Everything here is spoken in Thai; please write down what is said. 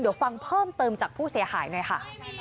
เดี๋ยวฟังเพิ่มเติมจากผู้เสียหายหน่อยค่ะ